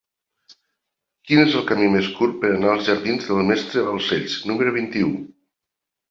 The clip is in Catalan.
Quin és el camí més curt per anar als jardins del Mestre Balcells número vint-i-u?